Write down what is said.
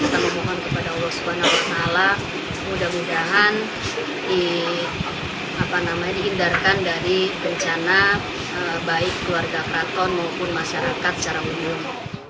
sehingga dengan kita bersodakoh kita berharap dan kita memohon kepada allah swt mudah mudahan dihindarkan dari bencana baik keluarga keraton maupun masyarakat secara umum